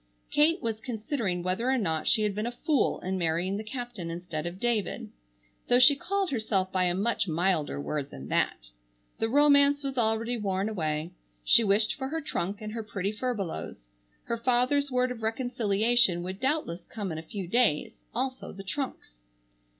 Kate was considering whether or not she had been a fool in marrying the captain instead of David, though she called herself by a much milder word than that. The romance was already worn away. She wished for her trunk and her pretty furbelows. Her father's word of reconciliation would doubtless come in a few days, also the trunks.